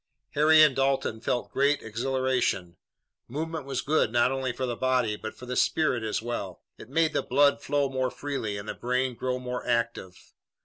Harry and Dalton felt great exhilaration. Movement was good not only for the body, but for the spirit as well. It made the blood flow more freely and the brain grow more active.